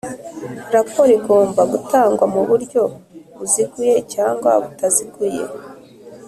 Raporo igomba gutangwa mu buryo buziguye cyangwa butaziguye